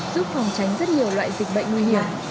giúp phòng tránh rất nhiều loại dịch bệnh nguy hiểm